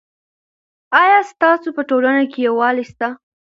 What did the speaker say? آیا ستاسو په ټولنه کې یووالی سته؟